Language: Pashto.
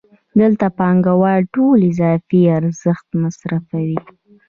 دلته پانګوال ټول اضافي ارزښت مصرفوي